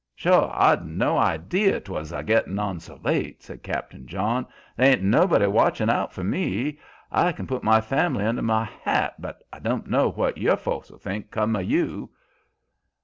"Sho! I'd no idee 'twas a gittin' on so late," said Captain John. "There ain't anybody watchin' out for me. I kin put my family under my hat, but I don' know what your folks'll think's come o' you.